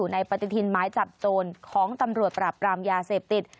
ในปฏิทินหมายจับโจรของตำรวจปราบปรามยาเสพติด